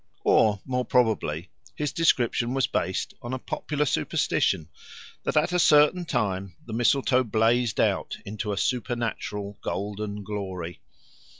Or, more probably, his description was based on a popular superstition that at certain times the mistletoe blazed out into a supernatural golden glory.